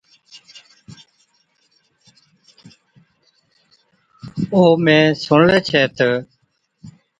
او مين سُڻلَي ڇَي تہ،